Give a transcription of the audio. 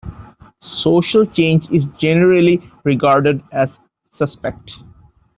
Social change is generally regarded as suspect.